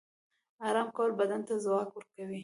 آرام کول بدن ته ځواک ورکوي